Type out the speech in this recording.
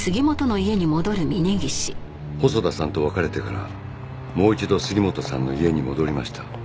細田さんと別れてからもう一度杉本さんの家に戻りました。